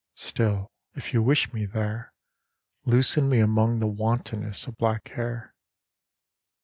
Still, if you wish me there, loosen me among the wantonness of black hair.